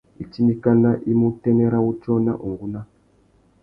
Itindikana i mú utênê râ wutiō na ungúná.